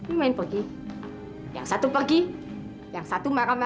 ini dibuang semua ya seth ya